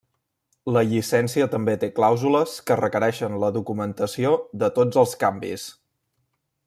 La llicència també té clàusules que requereixen la documentació de tots els canvis.